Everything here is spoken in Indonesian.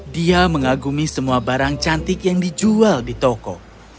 dia mengagumi semua barang cantik yang dijual di toko